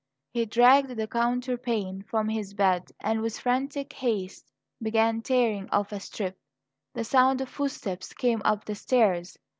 He dragged the counterpane from his bed, and with frantic haste began tearing off a strip. The sound of footsteps came up the stairs.